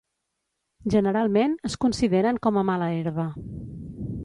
Generalment es consideren com a mala herba.